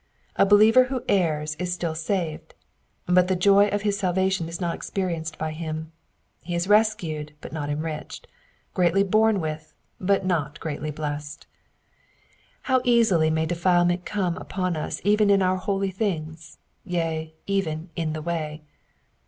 A believer who errs is still saved, but the joy of his salvation is not experienced by him ; he is rescued but not enriched, greatly borne with, but not greatly blessed. How easily may defilement come upon us even in our holy things, yea, even in the toay.